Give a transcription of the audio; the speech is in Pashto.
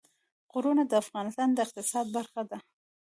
غرونه د افغانستان د اقتصاد برخه ده.